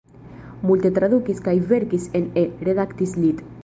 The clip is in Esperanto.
Multe tradukis kaj verkis en E, redaktis lit.